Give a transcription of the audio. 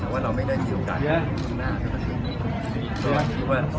แต่ว่าไม่ได้จับหมดแน่ตอนว่า